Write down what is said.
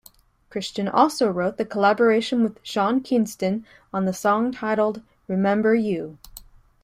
Cristian also wrote the collaboration with Sean Kingston on the song titled "Remember You".